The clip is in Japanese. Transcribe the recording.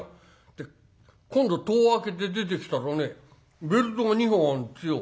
で今度戸を開けて出てきたらねベルトが２本あるんですよ。